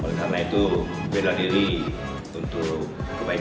oleh karena itu bela diri untuk kebaikan